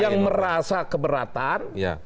yang merasa keberatan